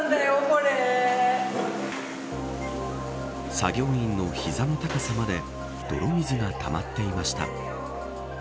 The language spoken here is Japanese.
作業員の膝の高さまで泥水がたまっていました。